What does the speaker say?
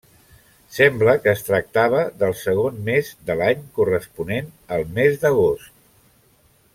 Sembla que es tractava del segon mes de l'any, corresponent al mes d'agost.